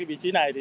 tại vị trí này